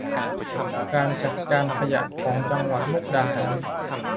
การจัดการขยะของจังหวัดมุกดาหาร